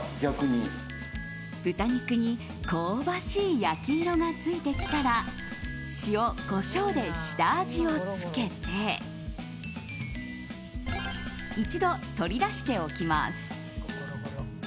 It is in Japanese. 豚肉に香ばしい焼き色がついてきたら塩、コショウで下味をつけて一度取り出しておきます。